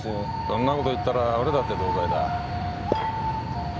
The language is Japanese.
そんなこと言ったら俺だって同罪だ